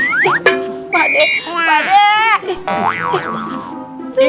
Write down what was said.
kita busuk murah